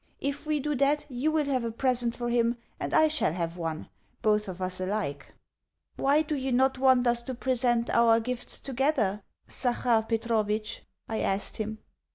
If we do that, you will have a present for him and I shall have one both of us alike." "Why do you not want us to present our gifts together, Zachar Petrovitch?" I asked him.